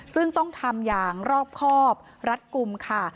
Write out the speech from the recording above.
ซึ่งต้องทำอย่างรอบครอบรัดกลุ่มค่ะ